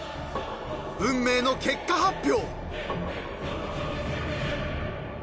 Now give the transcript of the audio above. ［運命の結果発表］